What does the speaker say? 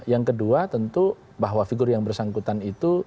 yang kedua tentu bahwa figur yang bersangkutan itu